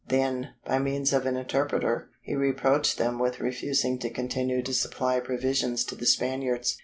Then, by means of an interpreter, he reproached them with refusing to continue to supply provisions to the Spaniards.